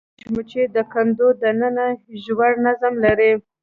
مچمچۍ د کندو دننه ژور نظم لري